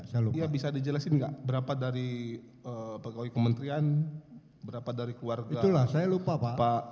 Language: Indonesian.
saya lupa bisa dijelasin enggak berapa dari pegawai kementerian berapa dari keluarga saya lupa pak